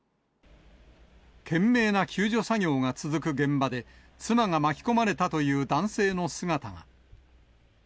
懸命な救助作業が続く現場で、妻が巻き込まれたという男性の姿が。